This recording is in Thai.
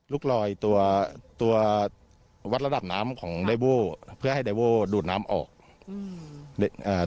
ลูกลอยตัวตัววัดระดับน้ำของจริงให้ให้ดูดน้ำออกอืม